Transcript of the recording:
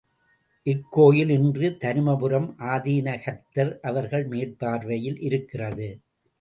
இக்கோயில் இன்று தருமபுரம் ஆதீன கர்த்தர் அவர்கள் மேற்பார்வையில் இருக்கிறது.